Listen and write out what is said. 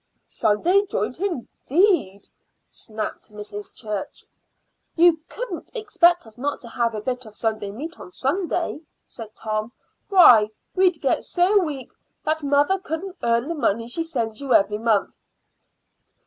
"Sunday joint, indeed!" snapped Mrs. Church. "You couldn't expect us not to have a bit of meat on Sunday," said Tom. "Why, we'd get so weak that mother couldn't earn the money she sends you every month."